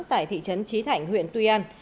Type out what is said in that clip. tại thị trấn trí thạnh huyện tuy an